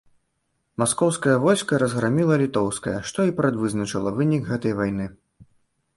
Маскоўскае войска разграміла літоўскае, што і прадвызначыла вынік гэтай вайны.